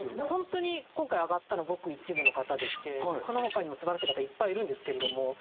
本当に今回挙がったのごく一部の方でしてその他にも素晴らしい方いっぱいいるんですけれども。